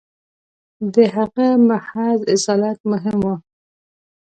• د هغه محض اصالت مهم و.